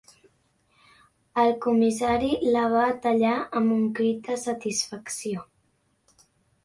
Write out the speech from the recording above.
El comissari la va tallar amb un crit de satisfacció.